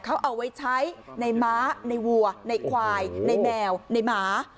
เขาเอาไว้ใช้ในม้าในวัวในควายในแมวในหมา